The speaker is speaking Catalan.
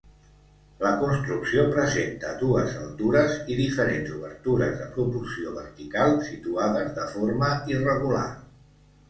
La construcció presenta dues altures i diferents obertures de proporció vertical, situades de forma irregular.